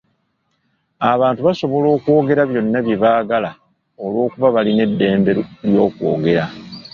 Abantu basobola okwogera byonna bye baagala olw'okuba balina eddembe ly'okwogera.